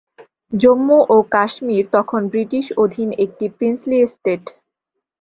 জম্মু ও কাশ্মীর তখন ব্রিটিশ অধীন একটি প্রিন্সলি এস্টেট।